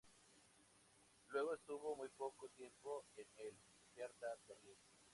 Luego estuvo muy poco tiempo en el Hertha Berlin.